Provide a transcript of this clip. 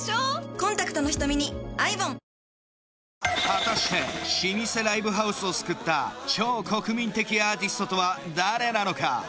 果たして老舗ライブハウスを救った超国民的アーティストとは誰なのか？